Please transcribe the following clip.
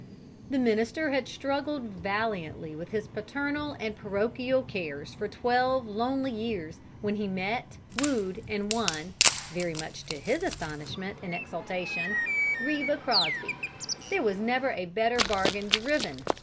The minister had struggled valiantly with his paternal and parochial cares for twelve lonely years when he met, wooed, and won (very much to his astonishment and exaltation) Reba Crosby. There never was a better bargain driven!